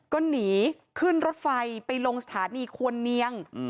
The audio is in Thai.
ก็หนีขึ้นรถไฟไปลงสถานีควรเนียง